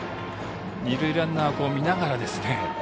二塁ランナーを見ながらですね